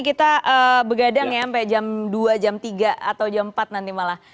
kita begadang ya sampai jam dua jam tiga atau jam empat nanti malah